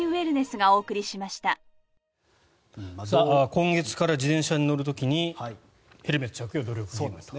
今月から自転車に乗る時にヘルメット着用努力義務と。